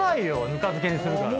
ぬか漬けにするから。